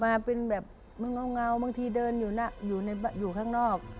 มาเป็นแบบมันเงาบางทีเดินอยู่ข้างนอก